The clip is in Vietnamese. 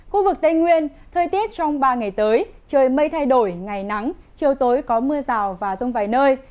khu vực tây nguyên thời tiết trong ba ngày tới trời mây thay đổi ngày nắng chiều tối có mưa rào và rông vài nơi